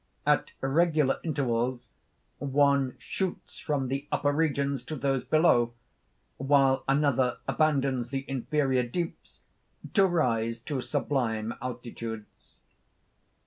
At regular intervals one shoots from the upper regions to those below; while another abandons the inferior deeps to rise to sublime altitudes